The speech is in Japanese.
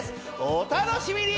お楽しみに！